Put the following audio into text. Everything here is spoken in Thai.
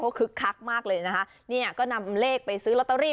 คึกคักมากเลยนะคะเนี่ยก็นำเลขไปซื้อลอตเตอรี่